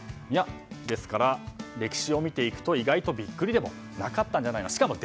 ですから、歴史を見ていくと意外とビックリでもなかったんじゃないか。